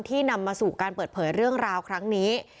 นำมาสู่การเปิดเผยเรื่องราวครั้งนี้